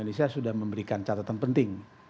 indonesia sudah memberikan catatan penting